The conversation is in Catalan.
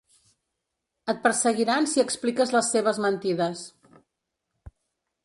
Et perseguiran si expliques les seves mentides.